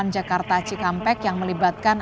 jakarta cikampek yang melibatkan